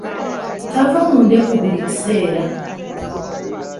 Tava mu ndeku buli kiseera.